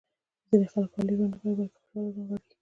ځینې خلک عالي ژوند نه غواړي بلکې خوشاله ژوند غواړي.